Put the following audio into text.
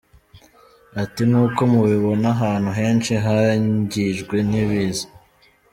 Ati “ Nk’uko mubibona ahantu henshi hangijwe n’ibiza.